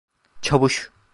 Çavuş!